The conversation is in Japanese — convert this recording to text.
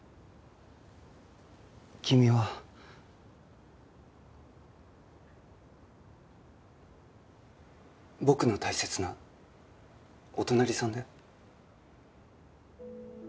君は僕の大切なお隣さんだよ。